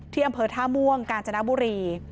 อำเภอท่าม่วงกาญจนบุรี